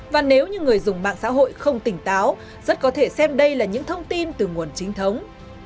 và nếu như người dùng mạng xã hội không tỉnh táo rất có thể xem đây là những thông tin từ nguồn chính thống